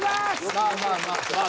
まあまあまあ。